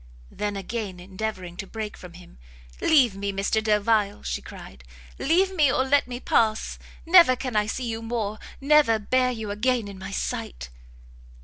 Then again endeavouring to break from him, "Leave me, Mr Delvile," she cried, "leave me, or let me pass! never can I see you more! never bear you again in my sight!"